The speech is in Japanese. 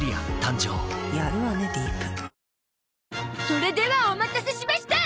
それではお待たせしました！